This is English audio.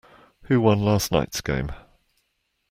Who won last night's game?